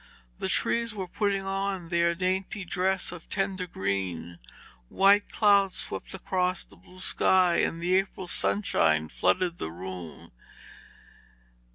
The trees were putting on their dainty dress of tender green, white clouds swept across the blue sky, and April sunshine flooded the room.